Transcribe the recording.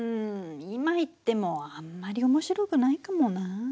今行ってもあんまり面白くないかもなあ。